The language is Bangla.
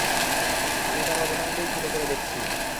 আমি কারও অবদানকেই ছোট করে দেখছি না।